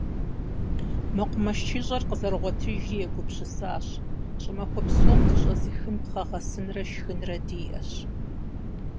МэкъумэшыщӀэр къызэрыгъуэтыжри, егупсысащ: щӀымахуэ псом дыщӀэзыхын пхъэ гъэсынрэ шхынрэ диӀэщ.